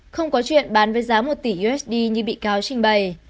không có chuyện bán với giá một tỷ usd như bị cáo trình bày